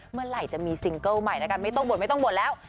เมื่อไหร่จะมีซิงเกิลใหม่นะครับไม่ต้องบ่นไม่ต้องบ่นแล้ว